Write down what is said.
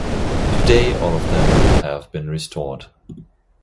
Today all of them have been restored.